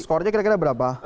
skornya kira kira berapa